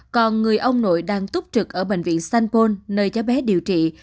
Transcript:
còn người ông nội đang túc trực ở bệnh viện st paul nơi cháu bé điều trị